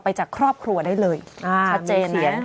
ไปจากครอบครัวได้เลย